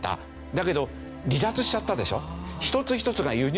だけど離脱しちゃったでしょ。